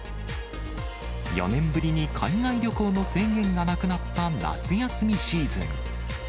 ４年ぶりに海外旅行の制限がなくなった夏休みシーズン。